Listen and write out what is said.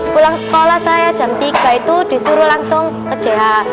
pulang sekolah saya jam tiga itu disuruh langsung ke jh